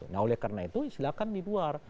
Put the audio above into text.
nah oleh karena itu silakan di luar